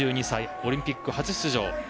２２歳、オリンピック初出場。